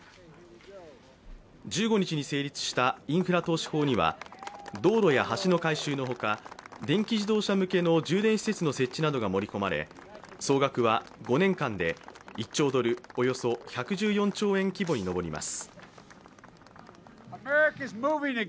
１５日に成立したインフラ投資法には道路や橋の改修の他、電気自動車向けの充電施設の設置などが盛り込まれ、総額は５年間で１兆ドル＝およそ１１４兆円規模に上ります。